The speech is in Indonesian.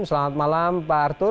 selamat malam pak arthur